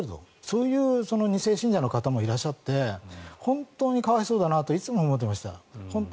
そういう２世信者の方もいらっしゃって本当に可哀想だなといつも思ってました。